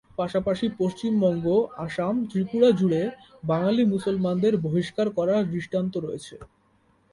পাশাপাশি পশ্চিমবঙ্গ, আসাম, ত্রিপুরা জুড়ে বাঙালি মুসলমানদের বহিষ্কার করার দৃষ্টান্ত রয়েছে।